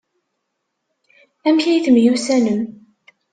Amek ay temyussanem?